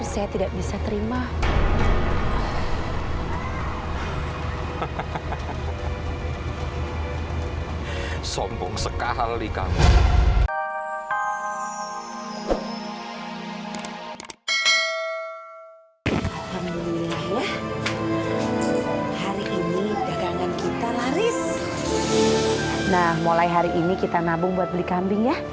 sampai jumpa di video selanjutnya